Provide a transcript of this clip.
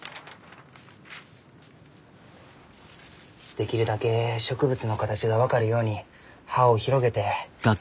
できるだけ植物の形が分かるように葉を広げて。